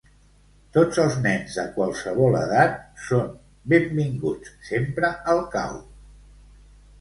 Tots els nens de qualsevol edat són benvinguts sempre al cau.